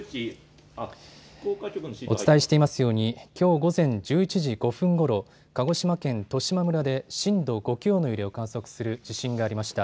お伝えしていますように、きょう午前１１時５分ごろ、鹿児島県十島村で震度５強の揺れを観測する地震がありました。